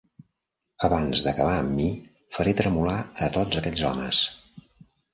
Abans d'acabar amb mi, faré tremolar a tots aquests homes.